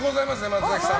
松崎さん。